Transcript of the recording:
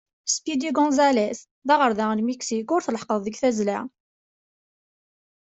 Speedy Gonzales, d aɣerda n Miksik ur tleḥḥqeḍ deg tazzla.